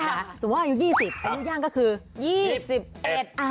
สมมุติว่าอายุยี่สิบอายุย่างก็คือยี่สิบเอ็ด